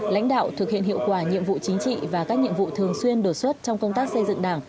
lãnh đạo thực hiện hiệu quả nhiệm vụ chính trị và các nhiệm vụ thường xuyên đột xuất trong công tác xây dựng đảng